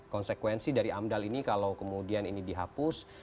konsekuensi dari amdal ini kalau kemudian ini dihapus